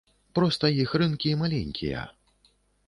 Проста іх рынкі маленькія.